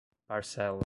parcela